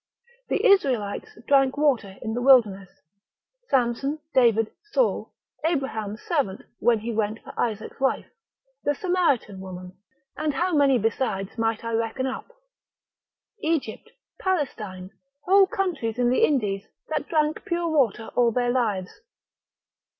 The Israelites drank water in the wilderness; Samson, David, Saul, Abraham's servant when he went for Isaac's wife, the Samaritan woman, and how many besides might I reckon up, Egypt, Palestine, whole countries in the Indies, that drank pure water all their lives.